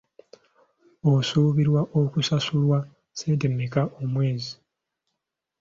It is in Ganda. Osuubirwa kusasulwa ssente mmeka omwezi?